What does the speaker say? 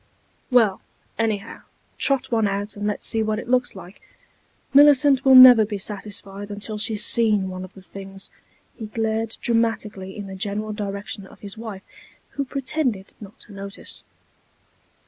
"Well, anyhow, trot one out, and let's see what it looks like. Millicent will never be satisfied until she's seen one of the things." He glared dramatically in the general direction of his wife, who pretended not to notice.